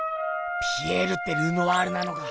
ピエールってルノワールなのか。